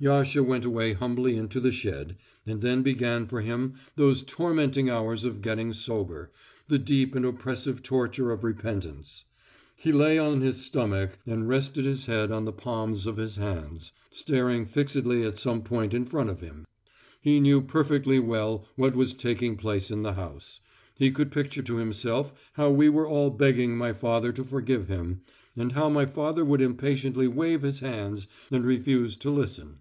Yasha went away humbly into the shed, and then began for him those tormenting hours of getting sober, the deep and oppressive torture of repentance. He lay on his stomach and rested his head on the palms of his hands, staring fixedly at some point in front of him. He knew perfectly well what was taking place in the house. He could picture to himself how we were all begging my father to forgive him, and how my father would impatiently wave his hands and refuse to listen.